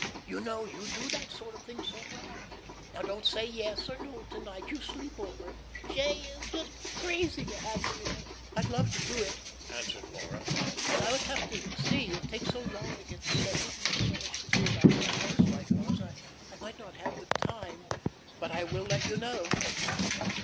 You know you do that sort of thing so well. Now don't say yes or no to night. You sleep over it. J. is crazy to have you in it." "I'd love to do it," answered Laura. "But I would have to see it takes so long to get settled, and there's so much to do about a big house like ours, I might not have time. But I will let you know."